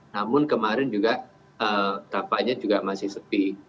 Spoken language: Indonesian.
namun kemarin juga tampaknya juga masih sepi